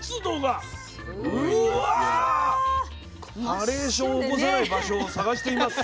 ハレーションを起こさない場所を探してみます。